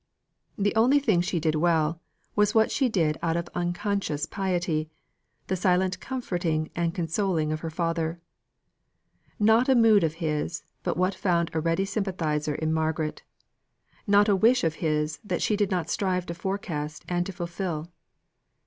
The only thing she did well, was what she did out of unconscious piety, the silent comforting and consoling of her father. Not a mood of his but what found a ready sympathiser in Margaret; not a wish of his that she did not strive to forecast, and to fulfil.